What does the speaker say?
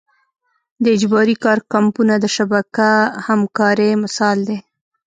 د اجباري کار کمپونه د شبکه همکارۍ مثال دی.